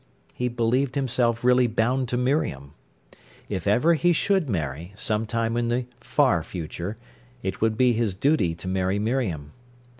He believed himself really bound to Miriam. If ever he should marry, some time in the far future, it would be his duty to marry Miriam.